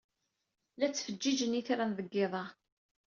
La ttfeǧǧiǧen yitran deg yiḍ-a.